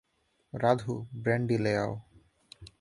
Radhu, brandy লে আও।